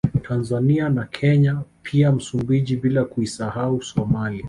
Tanzania na Kenya pia Msumbiji bila kuisahau Somalia